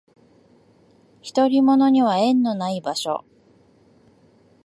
独り者には縁のない場所